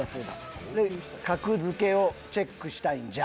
で「格付けをチェックしたいんじゃ！！」。